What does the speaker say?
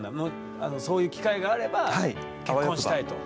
そういう機会があれば結婚したいと。